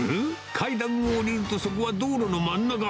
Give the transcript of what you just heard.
階段を下りると、そこは道路の真ん中。